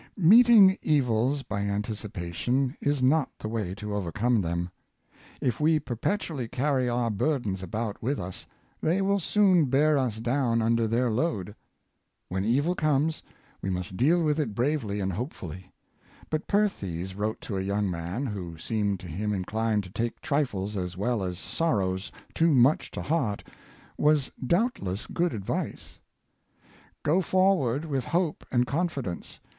Meeting evils by anticipation is not the way to over come them. If we perpetually carr}' our burdens about with us, they will soon bear us down under their load. When evil comes, we must deal with it bravely and hopefully. What Perthes wrote to a young man, who seemed to him inclined to take trifles as well as sor rows too much to heart, was doubtless good advice: " Go forward with hope and confidence.